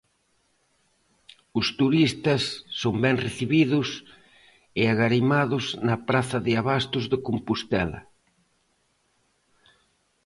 Os turistas son ben recibidos e agarimados na praza de abastos de Compostela.